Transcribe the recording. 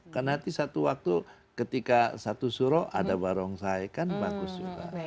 karena nanti satu waktu ketika satu suro ada barongsai kan bagus juga